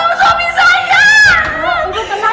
memetics karena dia cuma bikin kelak